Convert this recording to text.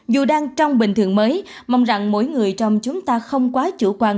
dù đang trong bình thường mới mong rằng mỗi người trong chúng ta không quá chủ quan